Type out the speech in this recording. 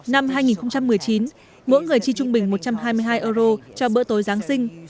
năm hai nghìn một mươi chín mỗi người chi trung bình một trăm hai mươi hai euro cho bữa tối giáng sinh